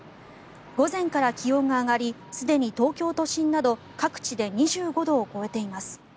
午前から気温が上がりすでに東京都心など各地で２５度を超えています。